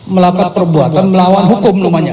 melakukan perbuatan melawan hukum